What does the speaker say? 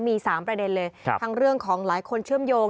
มี๓ประเด็นเลยทั้งเรื่องของหลายคนเชื่อมโยง